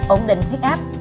ổn định huyết áp